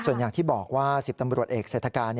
ส่วนอย่างที่บอกว่า๑๐ตำรวจเอกเศรษฐกาล